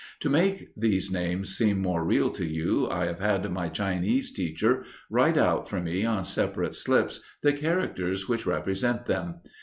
To make these names seem more real to you I have had my Chinese teacher write out for me on separate slips the characters which represent them.